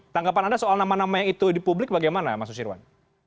tanggapan anda soal nama nama yang itu di publik bagaimana mas nusirwan